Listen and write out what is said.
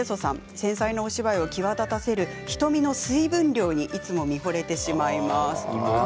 繊細なお芝居を際立たせる瞳の水分量にいつも見ほれてしまいます。